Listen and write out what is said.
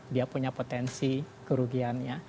dia punya potensi kerugiannya